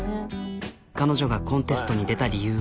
彼女がコンテストに出た理由は。